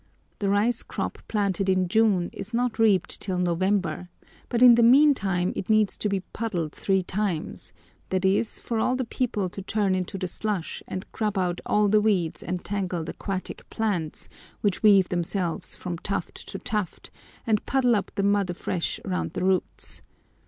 The rice crop planted in June is not reaped till November, but in the meantime it needs to be "puddled" three times, i.e. for all the people to turn into the slush, and grub out all the weeds and tangled aquatic plants, which weave themselves from tuft to tuft, and puddle up the mud afresh round the roots.